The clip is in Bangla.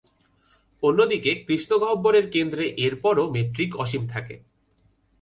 অন্য দিকে, কৃষ্ণগহ্বরের কেন্দ্রে এরপরও মেট্রিক অসীম থাকে।